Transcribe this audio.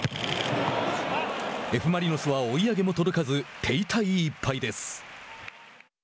Ｆ・マリノスは追い上げも届かず手痛い１敗です。